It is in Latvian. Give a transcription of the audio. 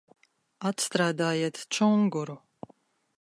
Atstrādājiet čunguru!